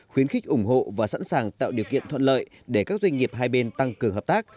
khuyến khích ủng hộ và sẵn sàng tạo điều kiện thuận lợi để các doanh nghiệp hai bên tăng cường hợp tác